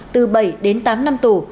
từ bảy đến tám năm tù